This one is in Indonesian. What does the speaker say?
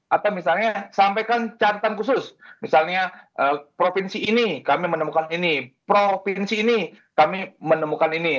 atau misalnya sampaikan cantan khusus misalnya provinsi ini kami menemukan ini provinsi ini kami menemukan ini